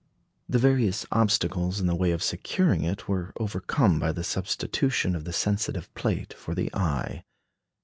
The various obstacles in the way of securing it were overcome by the substitution of the sensitive plate for the eye.